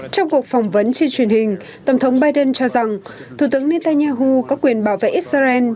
trong cuộc phỏng vấn trên truyền hình tổng thống biden cho rằng thủ tướng netanyahu có quyền bảo vệ israel